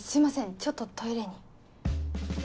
ちょっとトイレに。